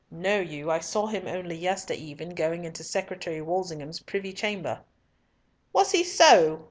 Know you, I saw him only yestereven going into Secretary Walsingham's privy chamber." "Was he so?"